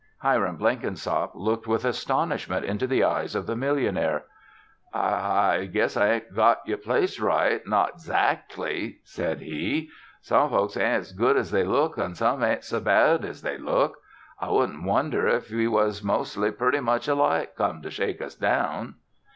Hiram Blenkinsop looked with astonishment into the eyes of the millionaire. "I I guess I ain't got you placed right not eggzac'ly," said he. "Some folks ain't as good as they look an' some ain't as bad as they look. I wouldn't wonder if we was mostly purty much alike, come to shake us down."